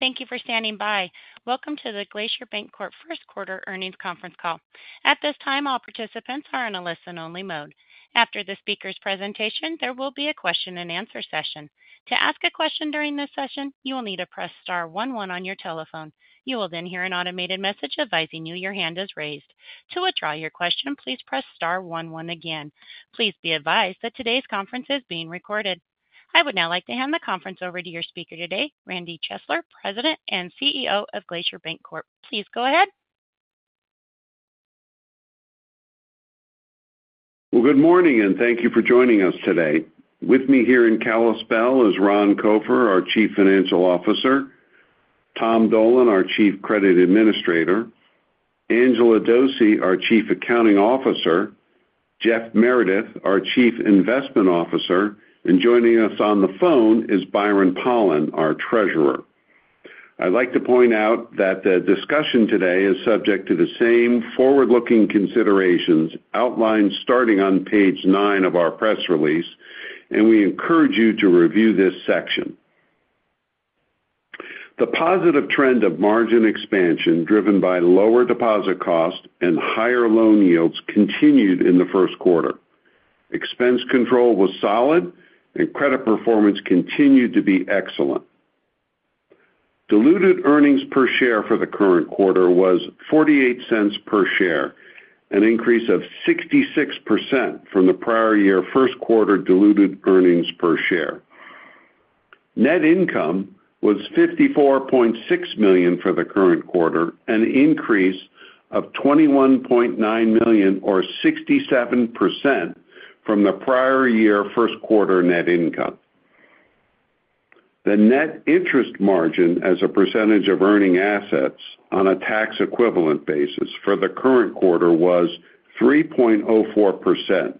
Thank you for standing by. Welcome to the Glacier Bancorp First Quarter Earnings Conference Call. At this time, all participants are in a listen-only mode. After the speaker's presentation, there will be a question-and-answer session. To ask a question during this session, you will need to press star one one on your telephone. You will then hear an automated message advising you your hand is raised. To withdraw your question, please press star one one again. Please be advised that today's conference is being recorded. I would now like to hand the conference over to your speaker today, Randy Chesler, President and CEO of Glacier Bancorp. Please go ahead. Good morning, and thank you for joining us today. With me here in Kalispell is Ron Copher, our Chief Financial Officer; Tom Dolan, our Chief Credit Administrator; Angela Dose, our Chief Accounting Officer; Jeff Meredith, our Chief Investment Officer; and joining us on the phone is Byron Pollan, our Treasurer. I'd like to point out that the discussion today is subject to the same forward-looking considerations outlined starting on page nine of our press release, and we encourage you to review this section. The positive trend of margin expansion driven by lower deposit costs and higher loan yields continued in the first quarter. Expense control was solid, and credit performance continued to be excellent. Diluted earnings per share for the current quarter was $0.48 per share, an increase of 66% from the prior year's first quarter diluted earnings per share. Net income was $54.6 million for the current quarter, an increase of $21.9 million, or 67% from the prior year's first quarter net income. The net interest margin as a percentage of earning assets on a tax equivalent basis for the current quarter was 3.04%,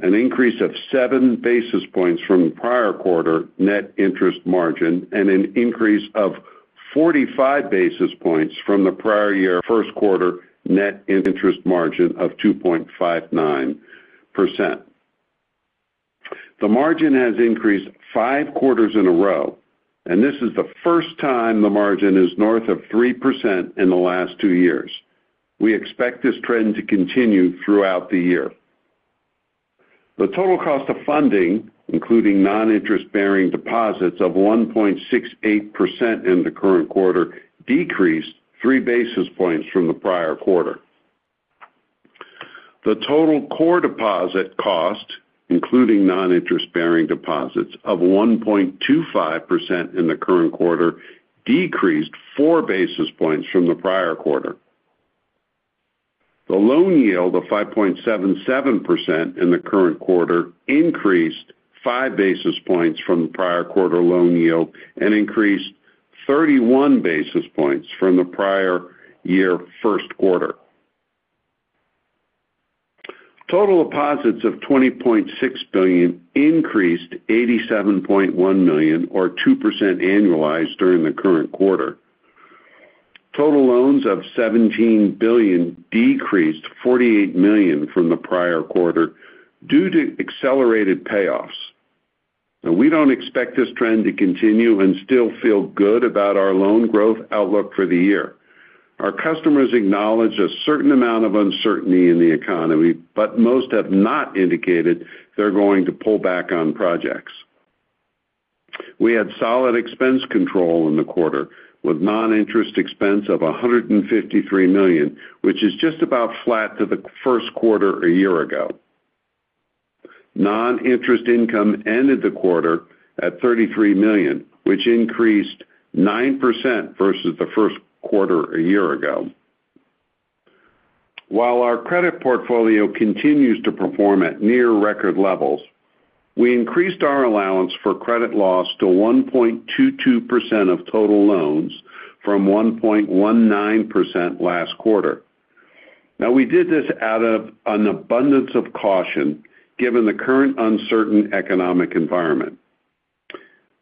an increase of seven basis points from the prior quarter net interest margin, and an increase of 45 basis points from the prior year's first quarter net interest margin of 2.59%. The margin has increased five quarters in a row, and this is the first time the margin is north of 3% in the last two years. We expect this trend to continue throughout the year. The total cost of funding, including non-interest-bearing deposits, is up 1.68% in the current quarter, decreased three basis points from the prior quarter. The total core deposit cost, including non-interest-bearing deposits, is up 1.25% in the current quarter, decreased four basis points from the prior quarter. The loan yield of 5.77% in the current quarter increased five basis points from the prior quarter loan yield and increased 31 basis points from the prior year's first quarter. Total deposits of $20.6 billion increased $87.1 million, or 2% annualized, during the current quarter. Total loans of $17 billion decreased $48 million from the prior quarter due to accelerated payoffs. Now, we don't expect this trend to continue and still feel good about our loan growth outlook for the year. Our customers acknowledge a certain amount of uncertainty in the economy, but most have not indicated they're going to pull back on projects. We had solid expense control in the quarter, with non-interest expense of $153 million, which is just about flat to the first quarter a year ago. Non-interest income ended the quarter at $33 million, which increased 9% versus the first quarter a year ago. While our credit portfolio continues to perform at near-record levels, we increased our allowance for credit loss to 1.22% of total loans from 1.19% last quarter. Now, we did this out of an abundance of caution, given the current uncertain economic environment.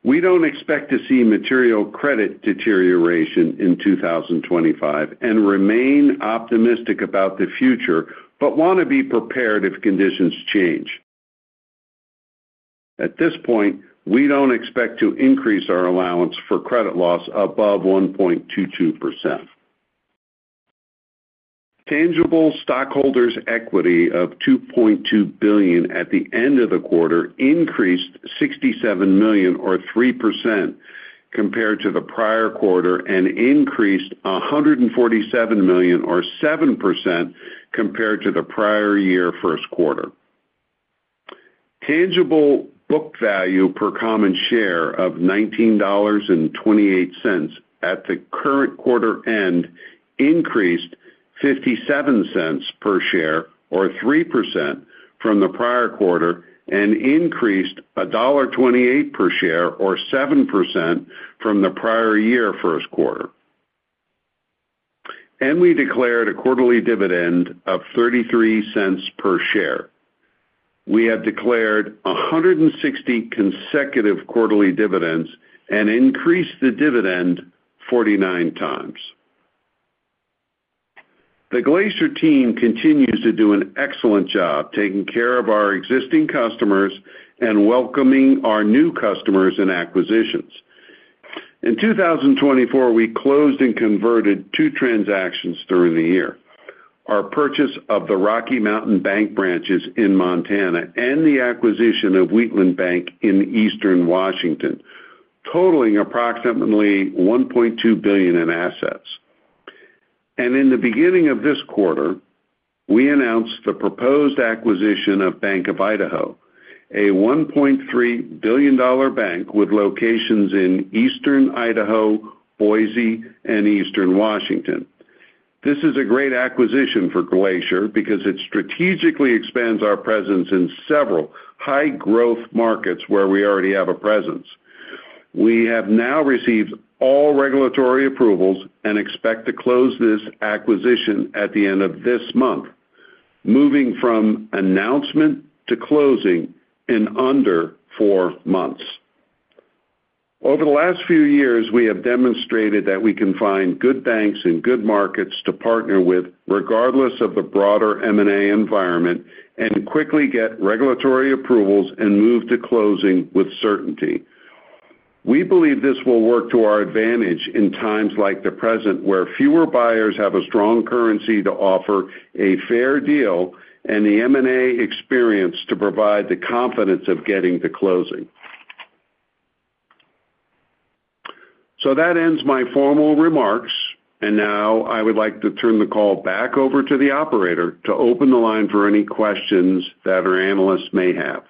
We don't expect to see material credit deterioration in 2025 and remain optimistic about the future, but want to be prepared if conditions change. At this point, we don't expect to increase our allowance for credit loss above 1.22%. Tangible stockholders' equity of $2.2 billion at the end of the quarter increased $67 million, or 3%, compared to the prior quarter, and increased $147 million, or 7%, compared to the prior year's first quarter. Tangible book value per common share of $19.28 at the current quarter end increased $0.57 per share, or 3%, from the prior quarter, and increased $1.28 per share, or 7%, from the prior year's first quarter. We declared a quarterly dividend of $0.33 per share. We have declared 160 consecutive quarterly dividends and increased the dividend 49x. The Glacier team continues to do an excellent job taking care of our existing customers and welcoming our new customers and acquisitions. In 2024, we closed and converted two transactions during the year: our purchase of the Rocky Mountain Bank branches in Montana and the acquisition of Wheatland Bank in eastern Washington, totaling approximately $1.2 billion in assets. At the beginning of this quarter, we announced the proposed acquisition of Bank of Idaho, a $1.3 billion bank with locations in eastern Idaho, Boise, and eastern Washington. This is a great acquisition for Glacier because it strategically expands our presence in several high-growth markets where we already have a presence. We have now received all regulatory approvals and expect to close this acquisition at the end of this month, moving from announcement to closing in under four months. Over the last few years, we have demonstrated that we can find good banks in good markets to partner with, regardless of the broader M&A environment, and quickly get regulatory approvals and move to closing with certainty. We believe this will work to our advantage in times like the present, where fewer buyers have a strong currency to offer a fair deal and the M&A experience to provide the confidence of getting to closing. That ends my formal remarks, and now I would like to turn the call back over to the operator to open the line for any questions that our analysts may have.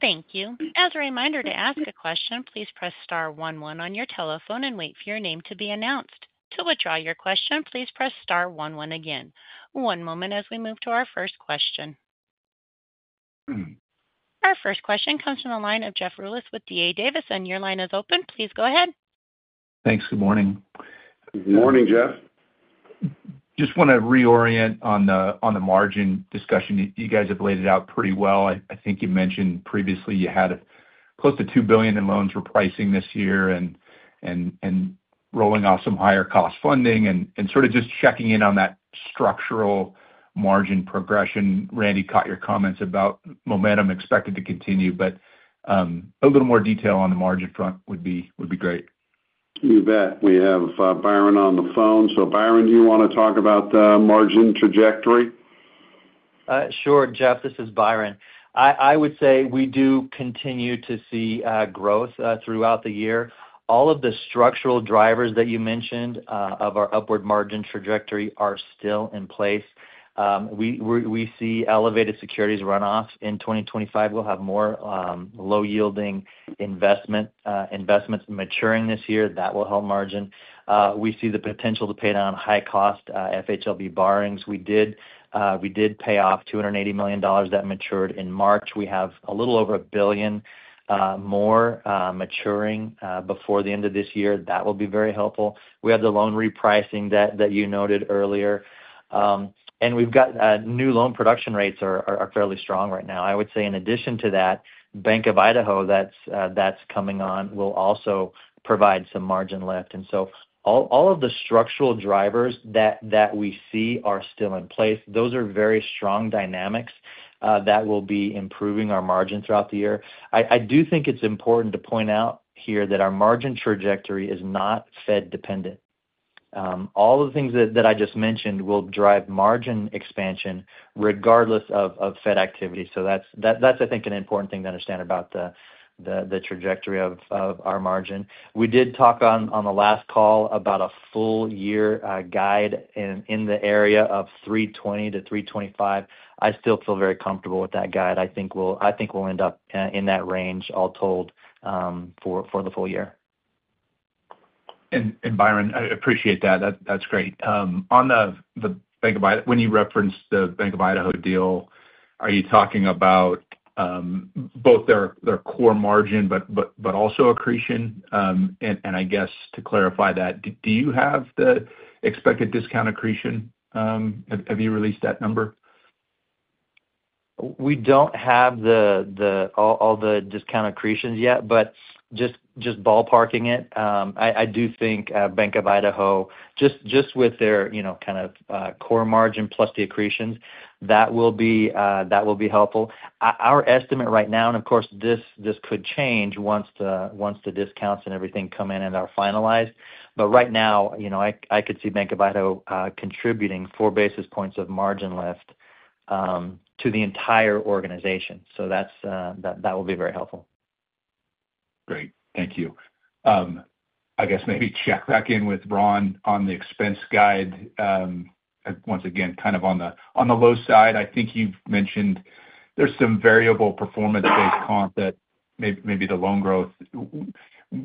Thank you. As a reminder, to ask a question, please press star one one on your telephone and wait for your name to be announced. To withdraw your question, please press star one one again. One moment as we move to our first question. Our first question comes from the line of Jeff Rulis with D.A. Davidson, and your line is open. Please go ahead. Thanks. Good morning. Good morning, Jeff. Just want to reorient on the margin discussion. You guys have laid it out pretty well. I think you mentioned previously you had close to $2 billion in loans for pricing this year and rolling off some higher-cost funding, and sort of just checking in on that structural margin progression. Randy caught your comments about momentum expected to continue, but a little more detail on the margin front would be great. You bet. We have Byron on the phone. Byron, do you want to talk about the margin trajectory? Sure, Jeff. This is Byron. I would say we do continue to see growth throughout the year. All of the structural drivers that you mentioned of our upward margin trajectory are still in place. We see elevated securities runoff. In 2025, we will have more low-yielding investments maturing this year. That will help margin. We see the potential to pay down high-cost FHLB borrowings. We did pay off $280 million that matured in March. We have a little over $1 billion more maturing before the end of this year. That will be very helpful. We have the loan repricing that you noted earlier, and we have new loan production rates that are fairly strong right now. I would say, in addition to that, Bank of Idaho that is coming on will also provide some margin lift. All of the structural drivers that we see are still in place. Those are very strong dynamics that will be improving our margin throughout the year. I do think it's important to point out here that our margin trajectory is not Fed-dependent. All of the things that I just mentioned will drive margin expansion regardless of Fed activity. That is, I think, an important thing to understand about the trajectory of our margin. We did talk on the last call about a full-year guide in the area of 320-325. I still feel very comfortable with that guide. I think we'll end up in that range, all told, for the full year. Byron, I appreciate that. That's great. On the Bank of Idaho, when you referenced the Bank of Idaho deal, are you talking about both their core margin but also accretion? I guess, to clarify that, do you have the expected discount accretion? Have you released that number? We don't have all the discount accretions yet, but just ballparking it, I do think Bank of Idaho, just with their kind of core margin plus the accretions, that will be helpful. Our estimate right now, and of course, this could change once the discounts and everything come in and are finalized, but right now, I could see Bank of Idaho contributing four basis points of margin lift to the entire organization. That will be very helpful. Great. Thank you. I guess maybe check back in with Ron on the expense guide. Once again, kind of on the low side, I think you've mentioned there's some variable performance-based costs that maybe the loan growth,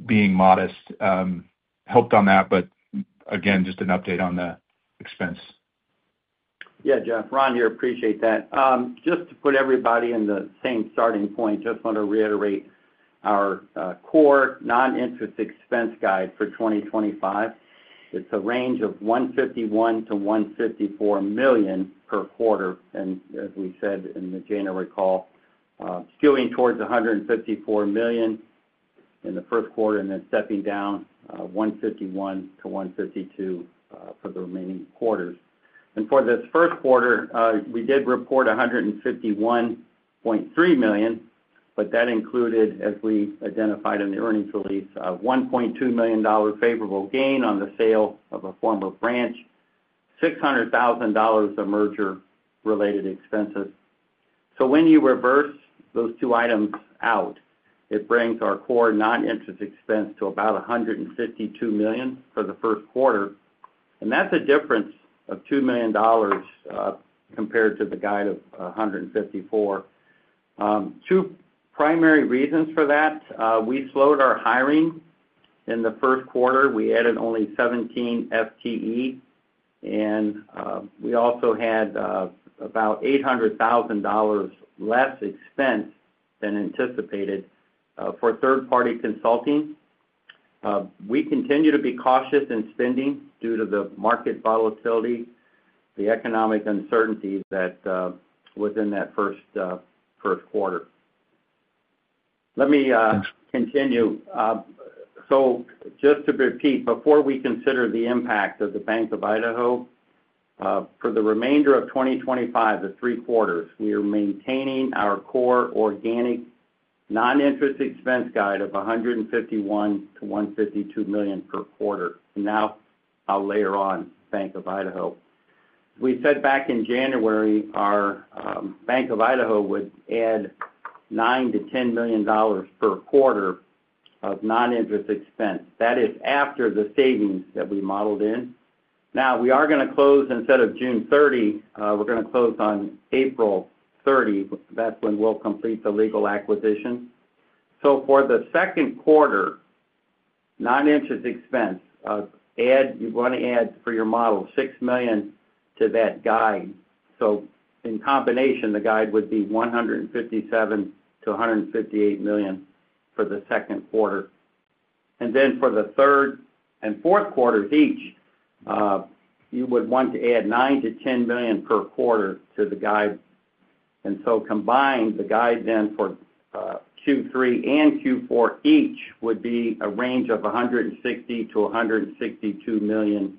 being modest, helped on that. Again, just an update on the expense. Yeah, Jeff. Ron here. Appreciate that. Just to put everybody in the same starting point, just want to reiterate our core non-interest expense guide for 2025. It's a range of $151 million-$154 million per quarter. As we said in the January call, skewing towards $154 million in the first quarter and then stepping down $151 million-$152 million for the remaining quarters. For this first quarter, we did report $151.3 million, but that included, as we identified in the earnings release, a $1.2 million favorable gain on the sale of a former branch, $600,000 of merger-related expenses. When you reverse those two items out, it brings our core non-interest expense to about $152 million for the first quarter. That's a difference of $2 million compared to the guide of $154 million. Two primary reasons for that: we slowed our hiring in the first quarter. We added only 17 FTE, and we also had about $800,000 less expense than anticipated for third-party consulting. We continue to be cautious in spending due to the market volatility, the economic uncertainty that was in that first quarter. Let me continue. Just to repeat, before we consider the impact of the Bank of Idaho, for the remainder of 2025, the three quarters, we are maintaining our core organic non-interest expense guide of $151 million-$152 million per quarter. Now I'll layer on Bank of Idaho. We said back in January, our Bank of Idaho would add $9 million-$10 million per quarter of non-interest expense. That is after the savings that we modeled in. Now, we are going to close instead of June 30. We're going to close on April 30. That's when we'll complete the legal acquisition. For the second quarter, non-interest expense, you want to add, for your model, $6 million to that guide. In combination, the guide would be $157 million-$158 million for the second quarter. For the third and fourth quarters each, you would want to add $9 million-$10 million per quarter to the guide. Combined, the guide then for Q3 and Q4 each would be a range of $160 million-$162 million.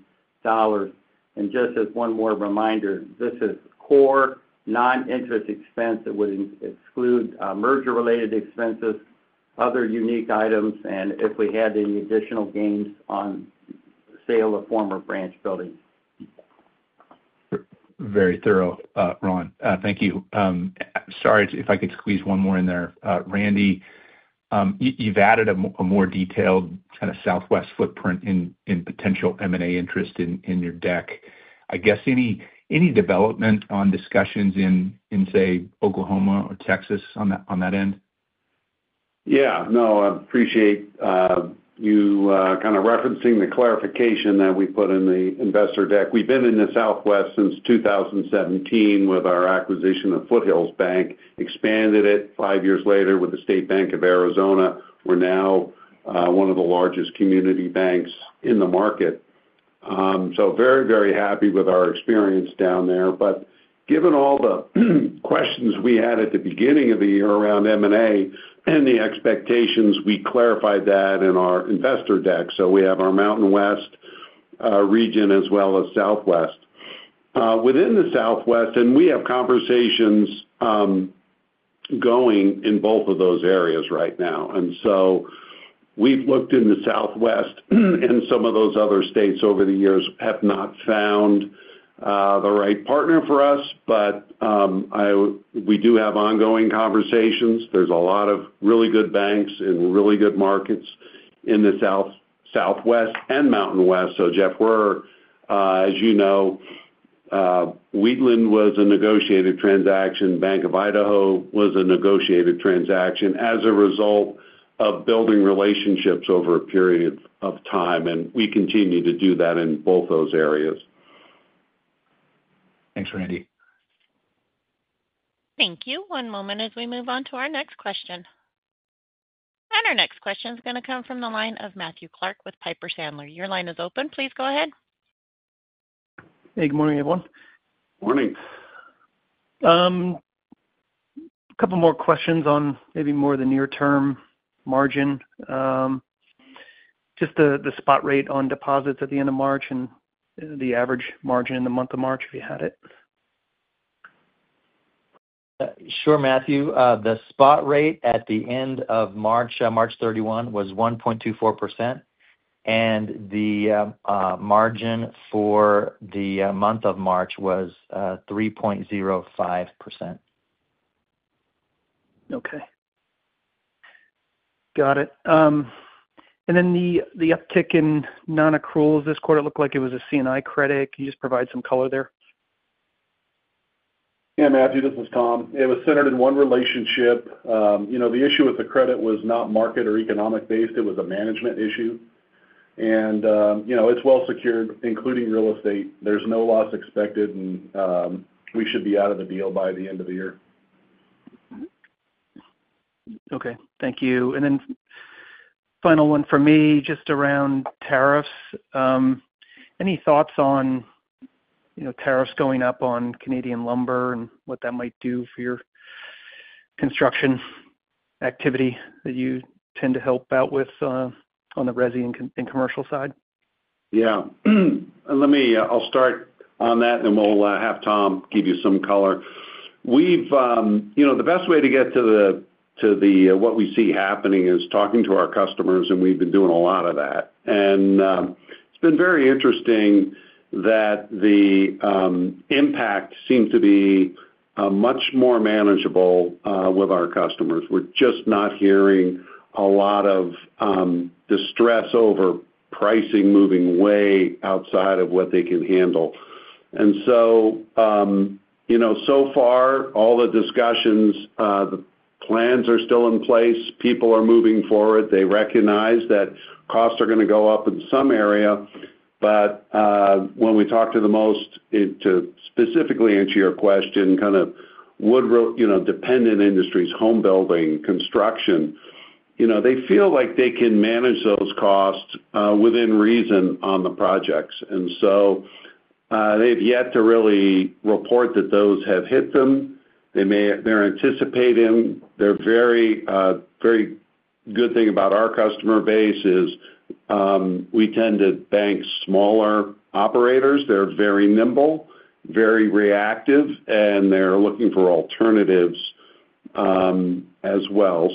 Just as one more reminder, this is core non-interest expense that would exclude merger-related expenses, other unique items, and if we had any additional gains on sale of former branch buildings. Very thorough, Ron. Thank you. Sorry if I could squeeze one more in there. Randy, you've added a more detailed kind of Southwest footprint in potential M&A interest in your deck. I guess any development on discussions in, say, Oklahoma or Texas on that end? Yeah. No, I appreciate you kind of referencing the clarification that we put in the investor deck. We've been in the Southwest since 2017 with our acquisition of Foothills Bank, expanded it five years later with the State Bank of Arizona. We're now one of the largest community banks in the market. Very, very happy with our experience down there. Given all the questions we had at the beginning of the year around M&A and the expectations, we clarified that in our investor deck. We have our Mountain West region as well as Southwest. Within the Southwest, we have conversations going in both of those areas right now. We've looked in the Southwest, and some of those other states over the years have not found the right partner for us, but we do have ongoing conversations. There's a lot of really good banks in really good markets in the Southwest and Mountain West. Jeff, as you know, Wheatland was a negotiated transaction. Bank of Idaho was a negotiated transaction as a result of building relationships over a period of time, and we continue to do that in both those areas. Thanks, Randy. Thank you. One moment as we move on to our next question. Our next question is going to come from the line of Matthew Clark with Piper Sandler. Your line is open. Please go ahead. Hey, good morning, everyone. Morning. A couple more questions on maybe more of the near-term margin, just the spot rate on deposits at the end of March, and the average margin in the month of March if you had it. Sure, Matthew. The spot rate at the end of March, March 31, was 1.24%, and the margin for the month of March was 3.05%. Okay. Got it. The uptick in non-accruals this quarter, it looked like it was a C&I credit. Can you just provide some color there? Yeah, Matthew, this is Tom. It was centered in one relationship. The issue with the credit was not market or economic-based. It was a management issue. It is well-secured, including real estate. There is no loss expected, and we should be out of the deal by the end of the year. Okay. Thank you. Final one for me, just around tariffs. Any thoughts on tariffs going up on Canadian lumber and what that might do for your construction activity that you tend to help out with on the resi and commercial side? Yeah. I'll start on that, and we'll have Tom give you some color. The best way to get to what we see happening is talking to our customers, and we've been doing a lot of that. It's been very interesting that the impact seems to be much more manageable with our customers. We're just not hearing a lot of distress over pricing moving way outside of what they can handle. So far, all the discussions, the plans are still in place. People are moving forward. They recognize that costs are going to go up in some area. When we talk to the most, to specifically answer your question, kind of wood-dependent industries, home building, construction, they feel like they can manage those costs within reason on the projects. They've yet to really report that those have hit them. They're anticipating they're very good. The thing about our customer base is we tend to bank smaller operators. They're very nimble, very reactive, and they're looking for alternatives as well.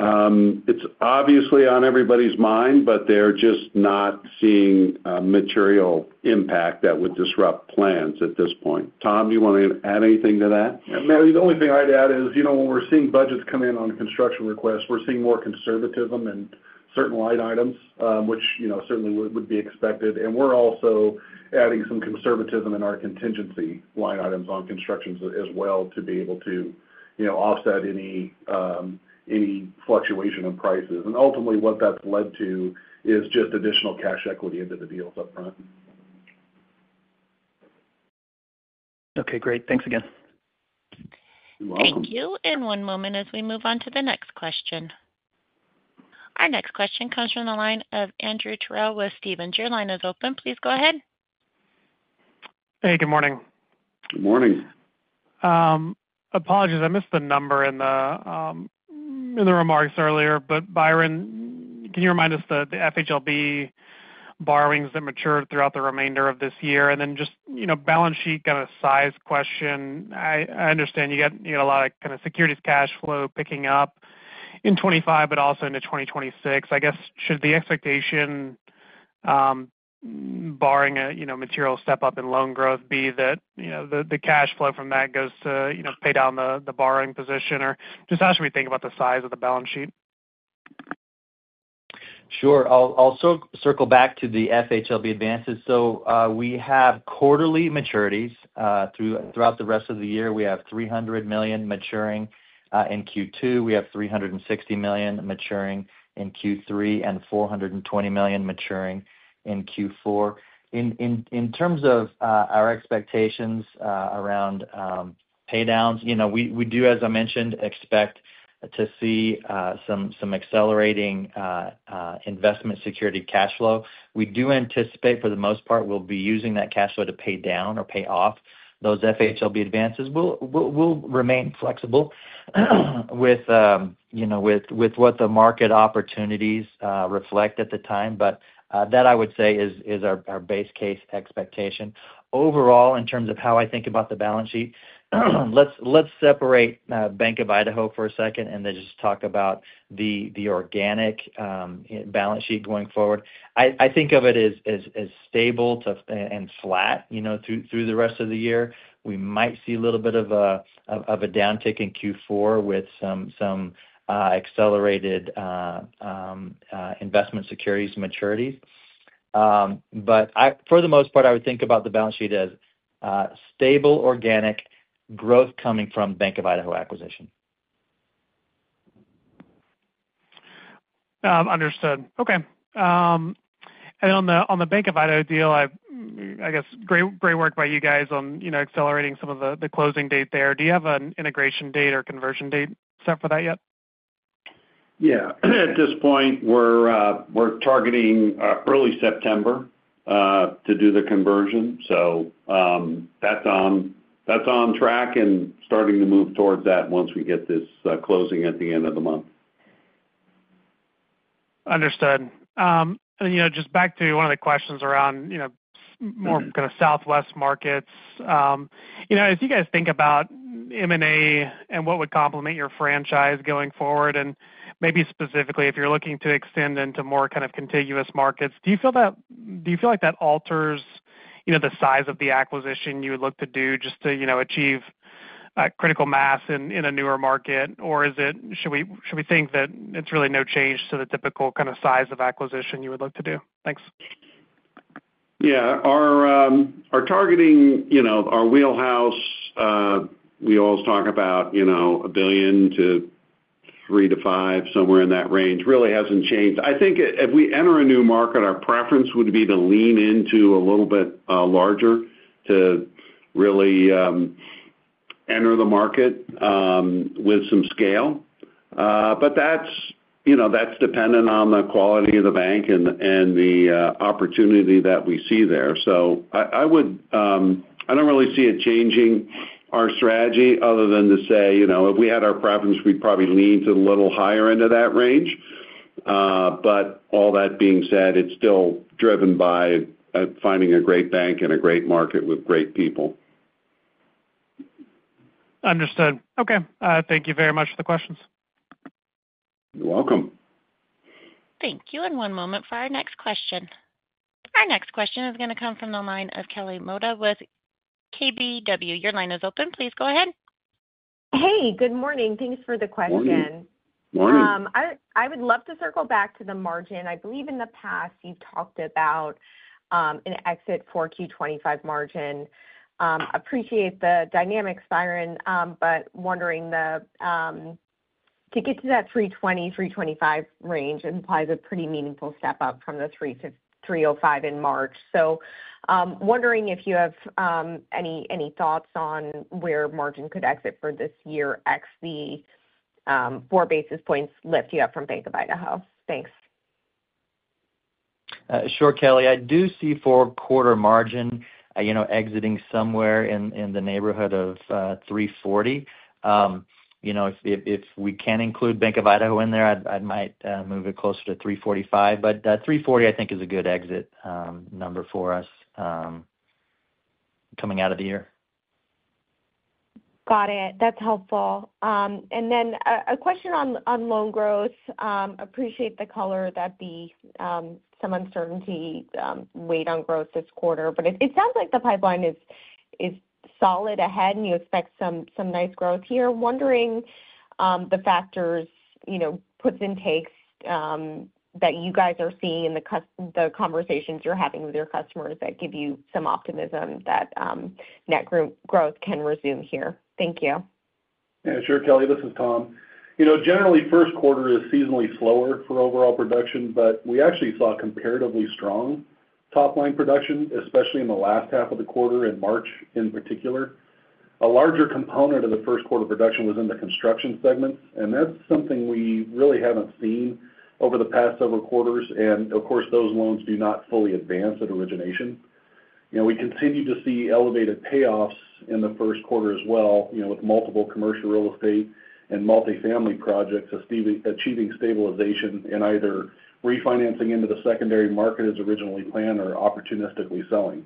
It's obviously on everybody's mind, but they're just not seeing a material impact that would disrupt plans at this point. Tom, do you want to add anything to that? Yeah. The only thing I'd add is when we're seeing budgets come in on construction requests, we're seeing more conservatism in certain line items, which certainly would be expected. We are also adding some conservatism in our contingency line items on constructions as well to be able to offset any fluctuation in prices. Ultimately, what that's led to is just additional cash equity into the deals upfront. Okay. Great. Thanks again. You're welcome. Thank you. One moment as we move on to the next question. Our next question comes from the line of Andrew Terrel with Stephens. Your line is open. Please go ahead. Hey, good morning. Good morning. Apologies. I missed the number in the remarks earlier, but Byron, can you remind us of the FHLB borrowings that matured throughout the remainder of this year? Just balance sheet kind of size question. I understand you got a lot of kind of securities cash flow picking up in 2025, but also into 2026. I guess should the expectation barring a material step up in loan growth be that the cash flow from that goes to pay down the borrowing position? Just how should we think about the size of the balance sheet? Sure. I'll circle back to the FHLB advances. We have quarterly maturities throughout the rest of the year. We have $300 million maturing in Q2. We have $360 million maturing in Q3 and $420 million maturing in Q4. In terms of our expectations around pay downs, we do, as I mentioned, expect to see some accelerating investment security cash flow. We do anticipate, for the most part, we'll be using that cash flow to pay down or pay off those FHLB advances. We'll remain flexible with what the market opportunities reflect at the time. That, I would say, is our base case expectation. Overall, in terms of how I think about the balance sheet, let's separate Bank of Idaho for a second and then just talk about the organic balance sheet going forward. I think of it as stable and flat through the rest of the year. We might see a little bit of a downtick in Q4 with some accelerated investment securities maturities. For the most part, I would think about the balance sheet as stable, organic, growth coming from Bank of Idaho acquisition. Understood. Okay. On the Bank of Idaho deal, I guess great work by you guys on accelerating some of the closing date there. Do you have an integration date or conversion date set for that yet? Yeah. At this point, we're targeting early September to do the conversion. That is on track and starting to move towards that once we get this closing at the end of the month. Understood. Just back to one of the questions around more kind of Southwest markets. As you guys think about M&A and what would complement your franchise going forward, and maybe specifically if you're looking to extend into more kind of contiguous markets, do you feel like that alters the size of the acquisition you would look to do just to achieve critical mass in a newer market? Or should we think that it's really no change to the typical kind of size of acquisition you would look to do? Thanks. Yeah. Our targeting, our wheelhouse, we always talk about a billion to three-five, somewhere in that range, really hasn't changed. I think if we enter a new market, our preference would be to lean into a little bit larger to really enter the market with some scale. That is dependent on the quality of the bank and the opportunity that we see there. I do not really see it changing our strategy other than to say if we had our preference, we would probably lean to the little higher end of that range. All that being said, it is still driven by finding a great bank and a great market with great people. Understood. Okay. Thank you very much for the questions. You're welcome. Thank you. One moment for our next question. Our next question is going to come from the line of Kelly Motta with KBW. Your line is open. Please go ahead. Hey, good morning. Thanks for the question. Morning. I would love to circle back to the margin. I believe in the past, you've talked about an exit for Q4 2025 margin. I appreciate the dynamics, Byron, but wondering to get to that 320-325 range implies a pretty meaningful step up from the 305 in March. Wondering if you have any thoughts on where margin could exit for this year ex the four basis points lift you get from Bank of Idaho. Thanks. Sure, Kelly. I do see fourth-quarter margin exiting somewhere in the neighborhood of 340. If we can include Bank of Idaho in there, I might move it closer to 345. 340, I think, is a good exit number for us coming out of the year. Got it. That's helpful. A question on loan growth. Appreciate the color that some uncertainty weighed on growth this quarter, but it sounds like the pipeline is solid ahead, and you expect some nice growth here. Wondering the factors, puts and takes that you guys are seeing in the conversations you're having with your customers that give you some optimism that net growth can resume here. Thank you. Yeah. Sure, Kelly. This is Tom. Generally, first quarter is seasonally slower for overall production, but we actually saw comparatively strong top-line production, especially in the last half of the quarter in March in particular. A larger component of the first quarter production was in the construction segments, and that is something we really have not seen over the past several quarters. Of course, those loans do not fully advance at origination. We continue to see elevated payoffs in the first quarter as well with multiple commercial real estate and multifamily projects achieving stabilization in either refinancing into the secondary market as originally planned or opportunistically selling.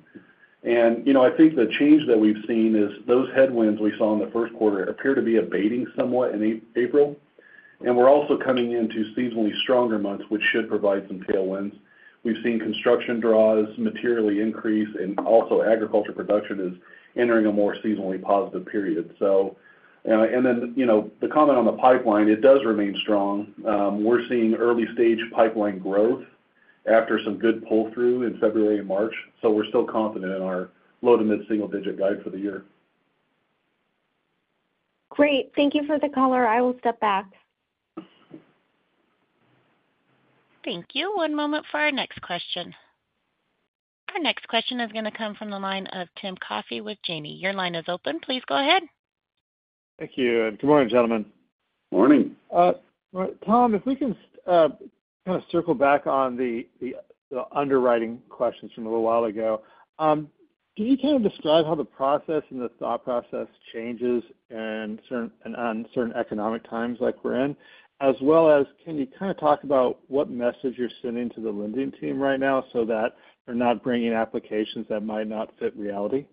I think the change that we have seen is those headwinds we saw in the first quarter appear to be abating somewhat in April. We are also coming into seasonally stronger months, which should provide some tailwinds. We've seen construction draws materially increase, and also agriculture production is entering a more seasonally positive period. The comment on the pipeline, it does remain strong. We're seeing early-stage pipeline growth after some good pull-through in February and March. We're still confident in our low to mid-single-digit guide for the year. Great. Thank you for the color. I will step back. Thank you. One moment for our next question. Our next question is going to come from the line of Tim Coffey with Janney. Your line is open. Please go ahead. Thank you. Good morning, gentlemen. Morning. All right. Tom, if we can kind of circle back on the underwriting questions from a little while ago, can you kind of describe how the process and the thought process changes in certain economic times like we're in? As well as, can you kind of talk about what message you're sending to the lending team right now so that they're not bringing applications that might not fit reality?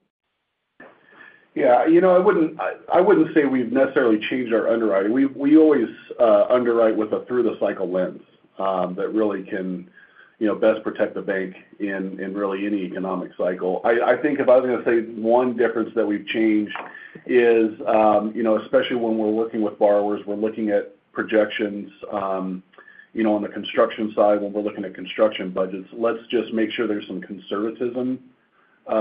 Yeah. I would not say we have necessarily changed our underwriting. We always underwrite with a through-the-cycle lens that really can best protect the bank in really any economic cycle. I think if I was going to say one difference that we have changed is, especially when we are working with borrowers, we are looking at projections on the construction side when we are looking at construction budgets. Let's just make sure there is some conservatism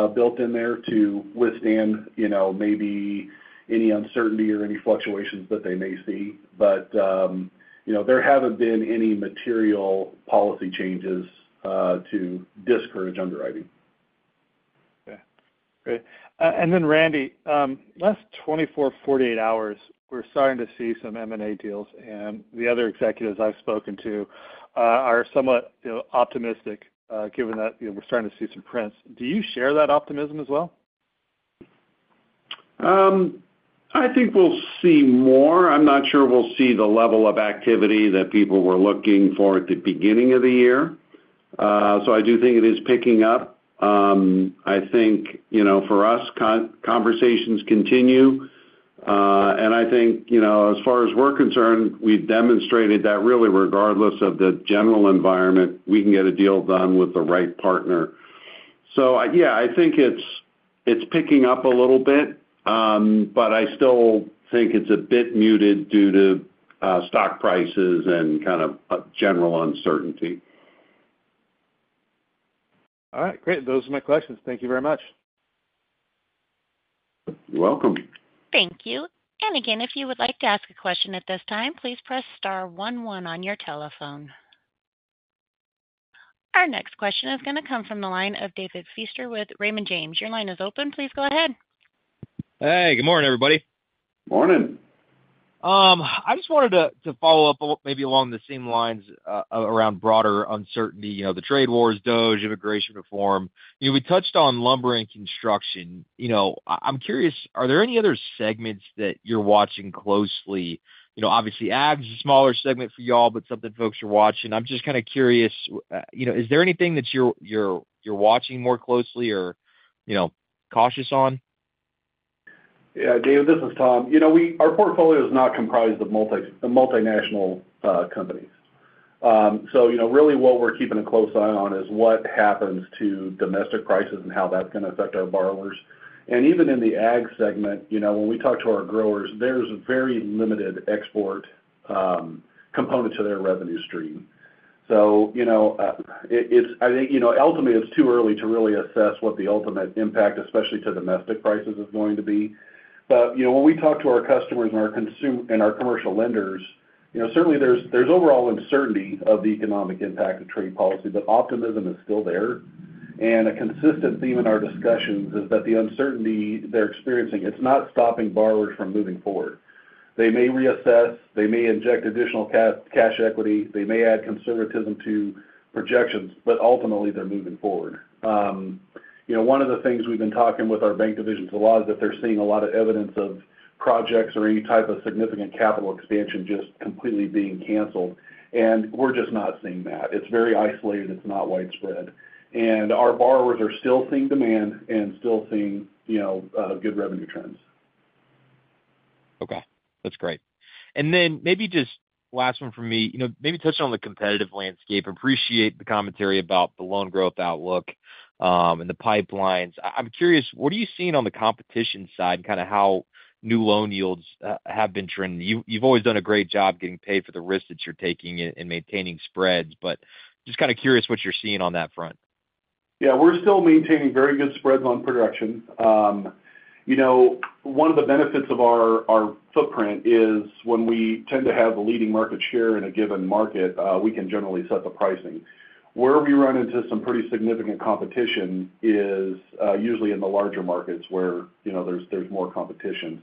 built in there to withstand maybe any uncertainty or any fluctuations that they may see. There have not been any material policy changes to discourage underwriting. Okay. Great. Randy, last 24-48 hours, we're starting to see some M&A deals. The other executives I've spoken to are somewhat optimistic given that we're starting to see some prints. Do you share that optimism as well? I think we'll see more. I'm not sure we'll see the level of activity that people were looking for at the beginning of the year. I do think it is picking up. I think for us, conversations continue. I think as far as we're concerned, we've demonstrated that really, regardless of the general environment, we can get a deal done with the right partner. Yeah, I think it's picking up a little bit, but I still think it's a bit muted due to stock prices and kind of general uncertainty. All right. Great. Those are my questions. Thank you very much. You're welcome. Thank you. If you would like to ask a question at this time, please press star one one on your telephone. Our next question is going to come from the line of David Feaster with Raymond James. Your line is open. Please go ahead. Hey. Good morning, everybody. Morning. I just wanted to follow up maybe along the same lines around broader uncertainty, the trade wars, DOGE, immigration reform. We touched on lumber and construction. I'm curious, are there any other segments that you're watching closely? Obviously, ag is a smaller segment for you all, but something folks are watching. I'm just kind of curious, is there anything that you're watching more closely or cautious on? Yeah. David, this is Tom. Our portfolio is not comprised of multinational companies. Really what we're keeping a close eye on is what happens to domestic prices and how that's going to affect our borrowers. Even in the ag segment, when we talk to our growers, there's very limited export components to their revenue stream. I think ultimately, it's too early to really assess what the ultimate impact, especially to domestic prices, is going to be. When we talk to our customers and our commercial lenders, certainly there's overall uncertainty of the economic impact of trade policy, but optimism is still there. A consistent theme in our discussions is that the uncertainty they're experiencing, it's not stopping borrowers from moving forward. They may reassess. They may inject additional cash equity. They may add conservatism to projections, but ultimately, they're moving forward. One of the things we've been talking with our bank divisions a lot is that they're seeing a lot of evidence of projects or any type of significant capital expansion just completely being canceled. We're just not seeing that. It's very isolated. It's not widespread. Our borrowers are still seeing demand and still seeing good revenue trends. Okay. That's great. Maybe just last one for me. Maybe touch on the competitive landscape. Appreciate the commentary about the loan growth outlook and the pipelines. I'm curious, what are you seeing on the competition side and kind of how new loan yields have been trending? You've always done a great job getting paid for the risk that you're taking in maintaining spreads, but just kind of curious what you're seeing on that front. Yeah. We're still maintaining very good spreads on production. One of the benefits of our footprint is when we tend to have the leading market share in a given market, we can generally set the pricing. Where we run into some pretty significant competition is usually in the larger markets where there's more competition.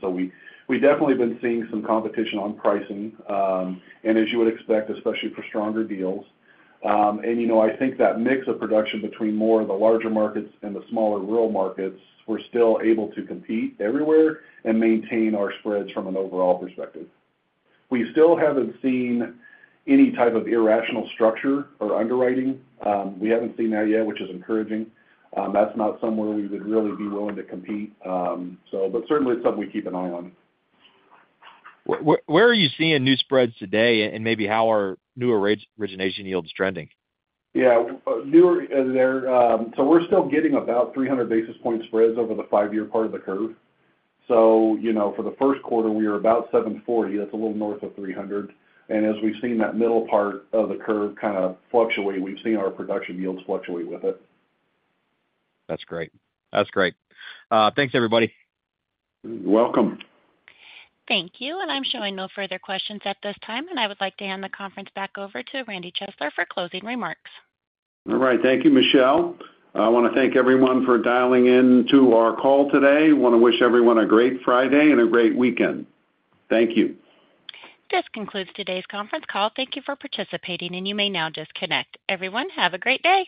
We've definitely been seeing some competition on pricing, as you would expect, especially for stronger deals. I think that mix of production between more of the larger markets and the smaller rural markets, we're still able to compete everywhere and maintain our spreads from an overall perspective. We still haven't seen any type of irrational structure or underwriting. We haven't seen that yet, which is encouraging. That's not somewhere we would really be willing to compete. Certainly, it's something we keep an eye on. Where are you seeing new spreads today and maybe how are new origination yields trending? Yeah. We are still getting about 300 basis point spreads over the five-year part of the curve. For the first quarter, we were about 740. That is a little north of 300. As we have seen that middle part of the curve kind of fluctuate, we have seen our production yields fluctuate with it. That's great. That's great. Thanks, everybody. You're welcome. Thank you. I'm showing no further questions at this time. I would like to hand the conference back over to Randy Chesler for closing remarks. All right. Thank you, Michelle. I want to thank everyone for dialing in to our call today. I want to wish everyone a great Friday and a great weekend. Thank you. This concludes today's conference call. Thank you for participating, and you may now disconnect. Everyone, have a great day.